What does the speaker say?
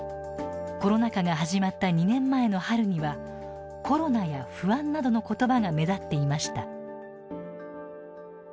コロナ禍が始まった２年前の春にはコロナや不安などの言葉が目立っていました。